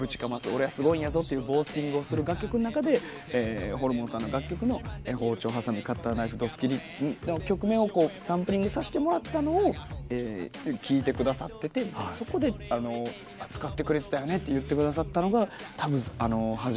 俺はすごいんやぞってボースティングをする楽曲の中でホルモンさんの楽曲の『包丁・ハサミ・カッター・ナイフ・ドス・キリ』の曲名をサンプリングさせてもらったのを聴いてくださっててそこで「使ってくれてたんやね」と言ってくださったのがたぶん初めて。